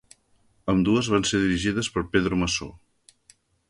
Ambdues van ser dirigides per Pedro Masó.